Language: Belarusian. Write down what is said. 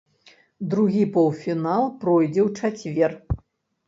Другі паўфінал пройдзе ў чацвер.